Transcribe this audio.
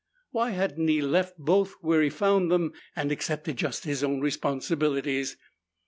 Why hadn't he left both where he found them and accepted just his own responsibilities?